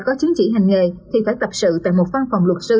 nếu chỉ hành nghề thì phải tập sự tại một phân phòng luật sư